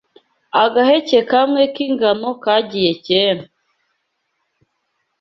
Agaheke kamwe k’ingano kagiye kera